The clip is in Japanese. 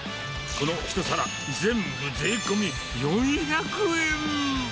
この１皿全部税込み４００円。